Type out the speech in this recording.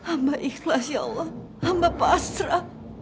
amba ikhlas ya allah amba pasra